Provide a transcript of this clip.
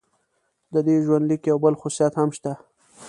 د دې ژوندلیک یو بل خصوصیت هم شته.